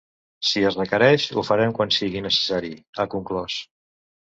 “Si es requereix, ho farem quan sigui necessari”, ha conclòs.